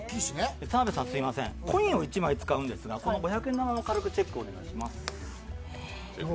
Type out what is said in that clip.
田辺さん、コインを１枚使うんですが五百円玉も軽くチェックをお願いします。